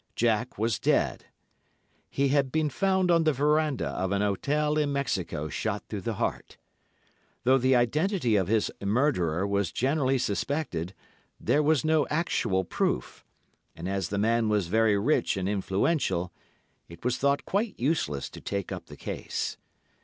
Jack was dead. He had been found on the verandah of an hotel in Mexico shot through the heart. Though the identity of his murderer was generally suspected, there was no actual proof, and as the man was very rich and influential, it was thought quite useless to take up the case.